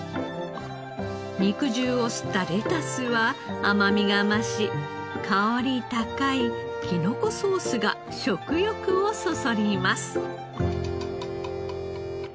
肉汁を吸ったレタスは甘みが増し香り高いキノコソースが食欲をそそります。